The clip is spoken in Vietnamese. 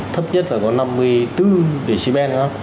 thấp nhất là có năm mươi bốn db